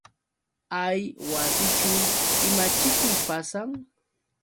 Hay wasićhu ¿imaćhiki pasan?